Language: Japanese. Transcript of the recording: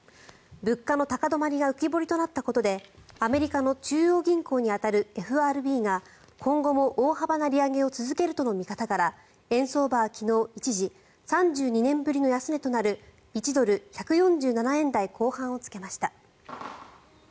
物価の高止まりが浮き彫りとなったことでアメリカの中央銀行に当たるＦＲＢが今後も大幅な利上げを続けるとの見方から円相場は昨日一時、３２年ぶりの安値となる１ドル＝１４７円台後半をつけました。